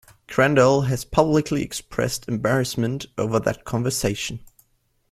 Crandall has publicly expressed embarrassment over that conversation.